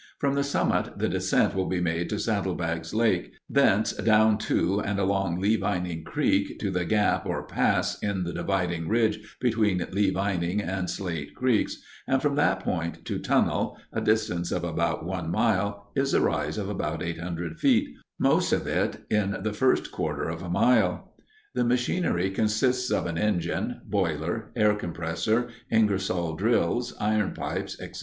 From the summit the descent will be made to Saddlebags Lake, thence down to and along Lee Vining Creek to the gap or pass in the dividing ridge between Lee Vining and Slate creeks, and from that point to Tunnel, a distance of about one mile, is a rise of about 800 feet—most of it in the first quarter of a mile. The machinery consists of an engine, boiler, air compressor, Ingersoll drills, iron pipe, etc.